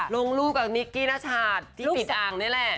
ลงรูปกับนิกกี้นชาติที่ปิดอ่างนี่แหละ